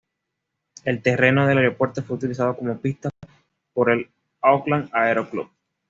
El terreno del aeropuerto fue utilizado como pista por el Auckland Aero Club.